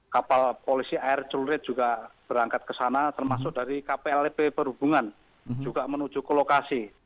kapal polisi air celurit juga berangkat ke sana termasuk dari kplp berhubungan juga menuju ke lokasi